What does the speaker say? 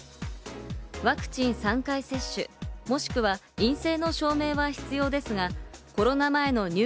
ワクチン３回接種、もしくは陰性の証明は必要ですがコロナ前の入